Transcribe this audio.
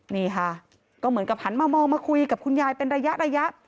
นี่ค่ะก็เหมือนกับหันมามองมาคุยกับคุณยายเป็นระยะ